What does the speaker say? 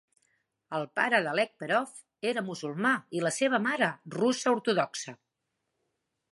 El pare d'Alekperov era musulmà i la seva mare, russa ortodoxa.